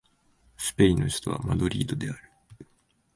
スペインの首都はマドリードである